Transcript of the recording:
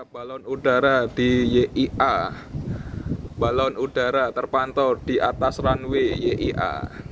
balon udara di yia balon udara terpantau di atas runway yia